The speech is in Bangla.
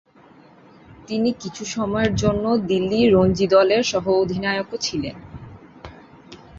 তিনি কিছু সময়ের জন্য দিল্লি রঞ্জি দলের সহ-অধিনায়কও ছিলেন।